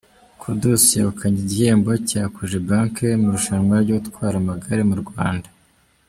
Kudusi yegukanye igihembo cya kojebanke mu irushanywa ryo gutwara amagare mu Rwanda